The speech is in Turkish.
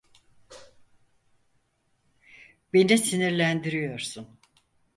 Beni sinirlendiriyorsun.